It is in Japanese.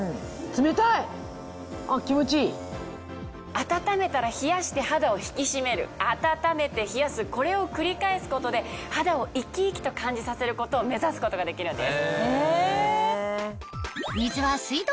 温めたら冷やして肌を引き締める温めて冷やすこれを繰り返すことで肌を生き生きと感じさせることを目指すことができるんです。